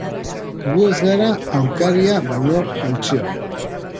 Gu ez gara aurkaria baino gutxiago.